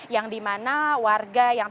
yang dimana warga yang